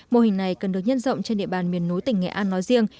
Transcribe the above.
mô hình này cần được nhân rộng trên địa bàn miền núi tỉnh nghệ an nói riêng